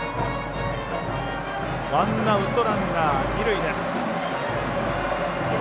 ワンアウト、ランナー、二塁です。